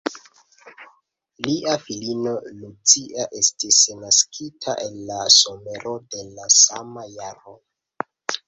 Lia filino Lucia estis naskita en la somero da la sama jaro.